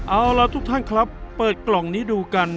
เอาล่ะทุกท่านครับเปิดกล่องนี้ดูกัน